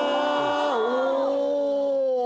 お！